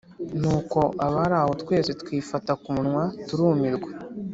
nuko abari aho twese twifata kumunywa turumirwa